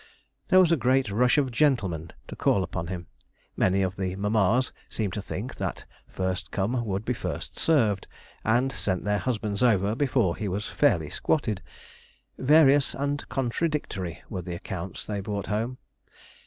There was great rush of gentlemen to call upon him; many of the mammas seemed to think that first come would be first served, and sent their husbands over before he was fairly squatted. Various and contradictory were the accounts they brought home.